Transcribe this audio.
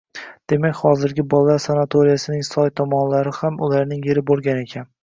Demak, xozirgi bolalar sanatoriyasining soy tomonlari ham ularning yeri bo’lgan ekan.